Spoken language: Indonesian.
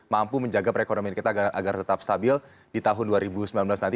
mampu menjaga perekonomian kita agar tetap stabil di tahun dua ribu sembilan belas nanti